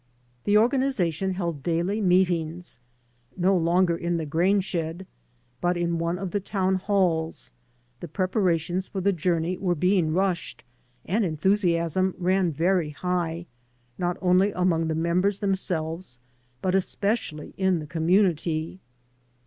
The organization held daily meet ings — ^no longer in the grain shed, but in one of the town halls — ^the preparations for the journey were being rushed and enthusiasm ran very high, not only among the members themselves, but especially in the com munity.